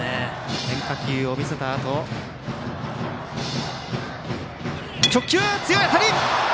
変化球を見せたあとの直球、強い当たり！